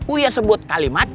uya sebut kalimat